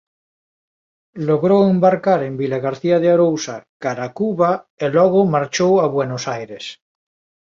Logrou embarcar en Vilagarcía de Arousa cara Cuba e logo marchou a Buenos Aires.